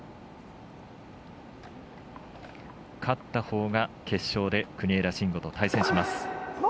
勝ったほうが決勝で国枝慎吾と対戦します。